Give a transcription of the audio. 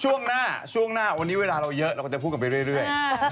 ช่วงหน้าช่วงหน้าวันนี้เวลาเราเยอะเราก็จะพูดกันไปเรื่อย